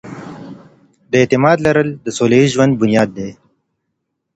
د اعتماد لرل د سوله ييز ژوند بنياد دی.